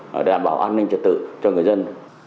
để đảm bảo an ninh chất tử cho người dân